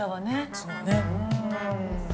そうね。